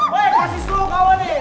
woy kasih seluruh kawannya